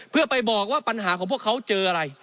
เพื่อไปบอกว่าปัญหาของพวกเขาเจออะไร